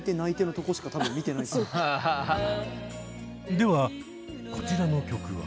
ではこちらの曲は。